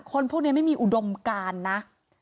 คนพวกนี้ไม่มีอุดมการนะ